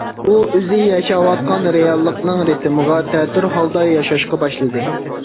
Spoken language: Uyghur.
ئۇ ئۆزى ياشاۋاتقان رېئاللىقنىڭ رىتىمىغا تەتۈر ھالدا ياشاشقا باشلىدى.